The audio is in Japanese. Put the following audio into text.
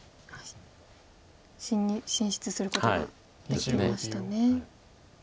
進出することができましたね。